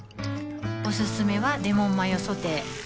おすすめはレモンマヨソテー